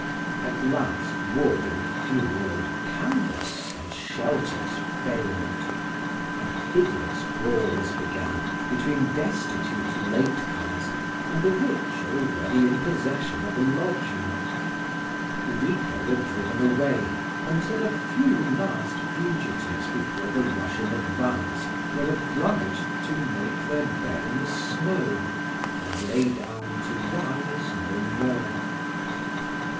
At last wood and fuel and canvas and shelters failed, and hideous brawls began between destitute late comers and the rich already in possession of a lodging. The weaker were driven away, until a few last fugitives before the Russian advance were obliged to make their bed in the snow, and lay down to rise no more.